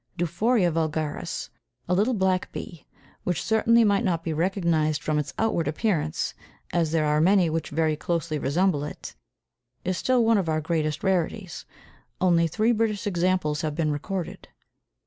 Dufourea vulgaris, a little black bee, which certainly might not be recognized from its outward appearance, as there are many which very closely resemble it, is still one of our greatest rarities, only three British examples having been recorded.